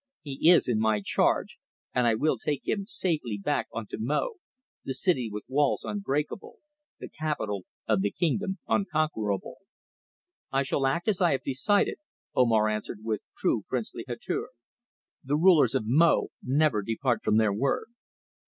He is in my charge, and I will take him safely back unto Mo, the city with walls unbreakable, the capital of the kingdom unconquerable." "I shall act as I have decided," Omar answered with true princely hauteur. "The rulers of Mo never depart from their word."